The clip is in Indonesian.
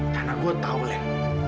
karena gue tau len